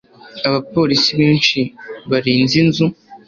Abapolisi benshi barinze inzu.